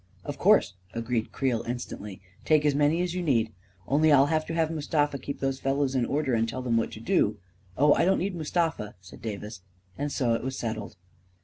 " Of course," agreed Creel, instantly. " Take as many as you need. Only I'll have to have Mustafa to keep those fellows in order and tell them what to do." " Oh, I don't need Mustafa," said Davis, and so it was settled.